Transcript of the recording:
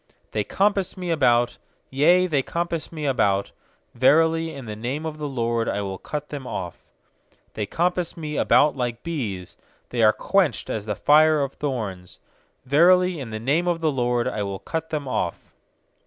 uThey compass me about, yea, they compass me about; Verily, in the name of the LORD I will cut them off. 12They compass me about like bees; , They are quenched as the fire of thorns; Verily, in the name of the LORD I will cut them off.